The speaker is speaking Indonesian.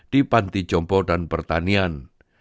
di panti jompo dan pertanian